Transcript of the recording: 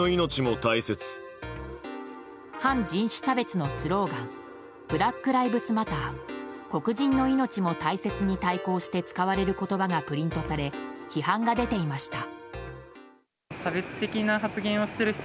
反人種差別のスローガンＢｌａｃｋＬｉｖｅｓＭａｔｔｅｒ、黒人の命も大切に対抗して使われる言葉がプリントされ批判が出ていました。